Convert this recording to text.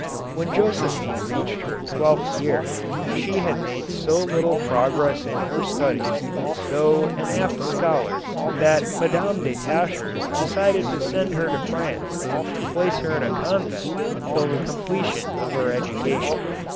When Josephine reached her twelfth year, she had made so little progress in her studies, though an apt scholar, that Madam de Tascher decided to send her to France and place her in a convent, till the com pletion of her education.